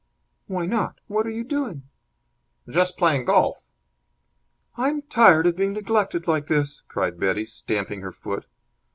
"Why not? What are you doing?" "Just playing golf!" "I'm tired of being neglected like this!" cried Betty, stamping her foot.